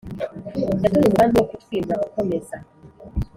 yatumye umugambi wo kutwimura ukomeza